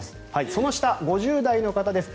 その下、５０代の方です。